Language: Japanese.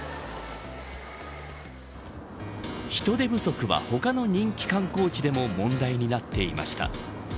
人手不足は他の人気観光地でも問題になっていました。